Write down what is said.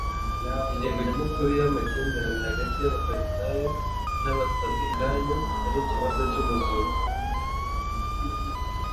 Ingingo nyamukuru y'amakimbirane hagati y'abafarisayo n'abasadukayo yari ikibazo cy'umuzuko.